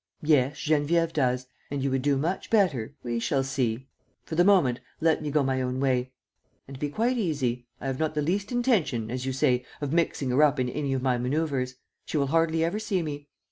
"Yes, Geneviève does. And you would do much better ..." "We shall see. For the moment, let me go my own way. And be quite easy. I have not the least intention, as you say, of mixing her up in any of my manœuvers. She will hardly ever see me.